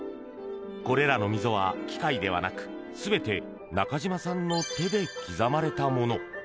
これらの溝は機械ではなく、全て中島さんの手で刻まれたもの。